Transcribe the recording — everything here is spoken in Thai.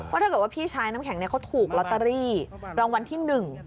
ถ้าเกิดว่าพี่ชายน้ำแข็งเขาถูกลอตเตอรี่รางวัลที่๑